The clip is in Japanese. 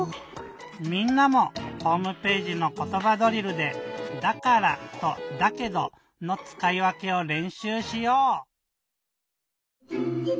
みんなもホームページの「ことばドリル」で「だから」と「だけど」のつかいわけをれんしゅうしよう。